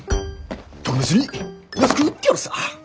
特別に安く売ってやるさ。